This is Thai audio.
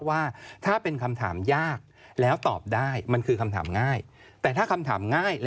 พี่ทอมยากไปมาคำถามง่าย